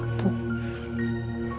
karena sudah lama ini